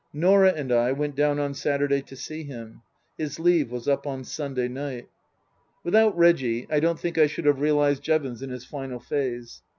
Norah and I went down on Saturday to see him. (His leave was up on Sunday night.) Without Reggie I don't think I should have realized Jevons in his final phase.